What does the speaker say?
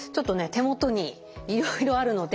手元にいろいろあるので。